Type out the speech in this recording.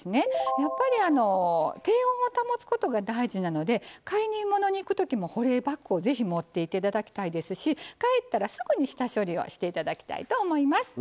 やっぱり低温を保つことが大事なので買い物に行く時も保冷バッグを是非持っていって頂きたいですし帰ったらすぐに下処理をして頂きたいと思います。